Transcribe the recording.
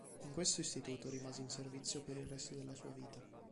In questo istituto rimase in servizio per il resto della sua vita.